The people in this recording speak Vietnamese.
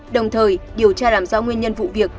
đồng thời điều tra làm rõ nguyên nhân vụ việc